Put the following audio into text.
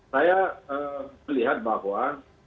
saya melihat bahwa